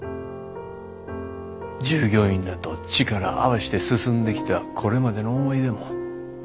従業員らと力合わして進んできたこれまでの思い出も。